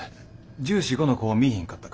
１４１５の子を見いひんかったか？